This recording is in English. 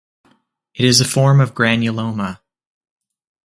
It is a form of granuloma.